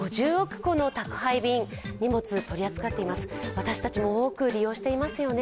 私たちも多く利用していますよね。